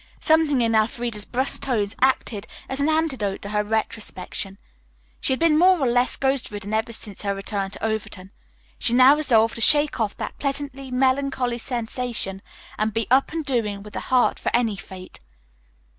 Something in Elfreda's brusque tones acted as an antidote to her retrospection. She had been more or less ghost ridden ever since her return to Overton. She now resolved to shake off that pleasantly melancholy sensation and "be up and doing with a heart for any fate."